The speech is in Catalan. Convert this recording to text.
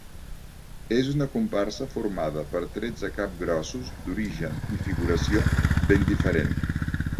És una comparsa formada per tretze capgrossos d’origen i figuració ben diferent.